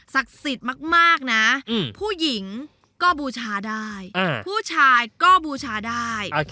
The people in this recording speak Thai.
สิทธิ์มากนะผู้หญิงก็บูชาได้ผู้ชายก็บูชาได้